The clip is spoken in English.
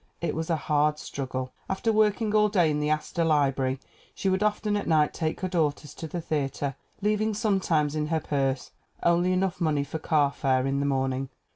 It was a hard struggle. After working all day in the Astor Library she would often at night take her daughters to the theater, leaving sometimes in her purse only enough money for car fare in the morning.